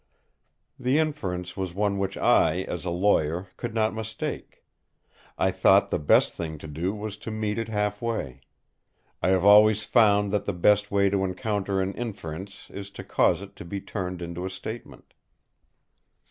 The inference was one which I, as a lawyer, could not mistake. I thought the best thing to do was to meet it half way. I have always found that the best way to encounter an inference is to cause it to be turned into a statement.